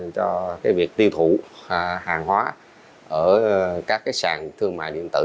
cho việc tiêu thụ hàng hóa ở các sàn thương mại điện tử